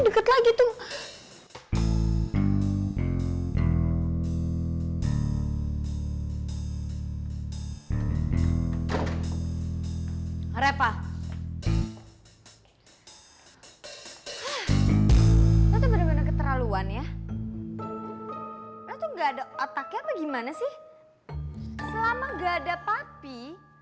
dan anak aku sixty